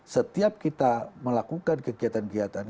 setiap kita melakukan kegiatan kegiatan